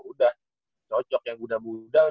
udah cocok yang muda muda